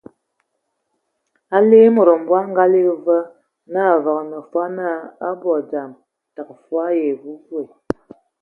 A ligi e mod mbɔg a ngaligi va, və a vaŋa fɔɔ naa a abɔ dzam, təgə ai ewonda.